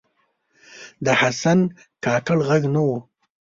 د حسن کاکړ ږغ نه و